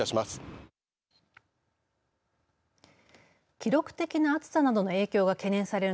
記録的な暑さなどの影響が懸念される